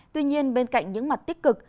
tuy nhiên bên cạnh những mặt tích cực